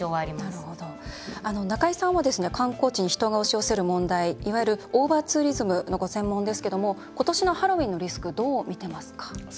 なるほど、中井さんは観光地に人が押し寄せる問題いわゆるオーバーツーリズムのご専門ですけども今年のハロウィーンのリスクどうみていますか？